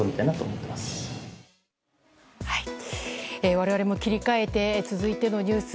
我々も切り替えて続いてのニュース。